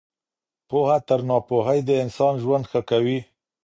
پوهه تر ناپوهۍ د انسان ژوند ښه کوي.